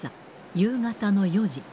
夕方の４時。